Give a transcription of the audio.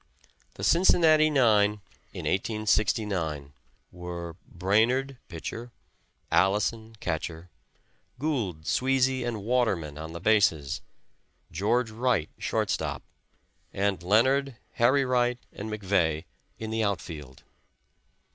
The Cincinnati nine in 1869 were Brainard, pitcher; Allison, catcher; Gould, Sweasy and Waterman on the bases; George Wright, shortstop, and Leonard, Harry Wright and McVey in the outfield.